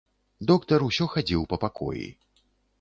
Доктар усё хадзіў па пакоі.